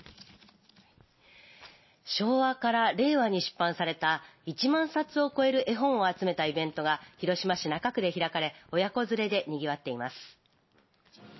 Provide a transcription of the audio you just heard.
昭和から令和に出版された１万冊を超える絵本を集めたイベントが広島市中区で開かれ親子連れでにぎわっています。